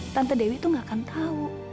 tante dewi itu gak akan tahu